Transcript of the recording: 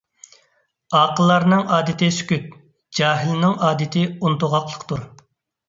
ئاقىللارنىڭ ئادىتى سۈكۈت، جاھىلنىڭ ئادىتى ئۇنتۇغاقلىقتۇر.